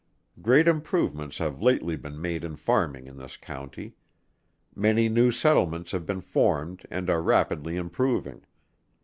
Great improvements have lately been made in farming in this county. Many new settlements have been formed and are rapidly improving.